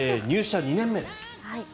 入社２年目です。